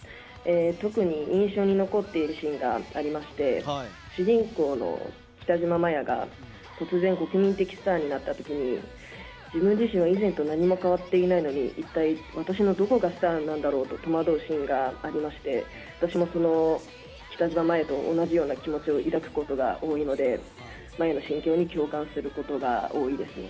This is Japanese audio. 特に印象に残っているシーンがありまして、主人公の北島マヤが突然、国民的スターになったときに、自分自身は以前と何も変わっていないのに、一体私のどこがスターなんだろうと戸惑うシーンがありまして、私もその、北島マヤと同じような気持ちを抱くことが多いので、マヤの心境に共感することが多いですね。